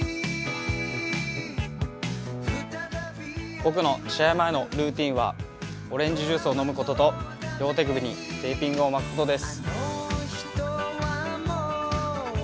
僕の試合前のルーチンはオレンジジュースを飲むことと両量手首にテーピングを巻くことです。